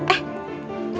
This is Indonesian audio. ya udah deh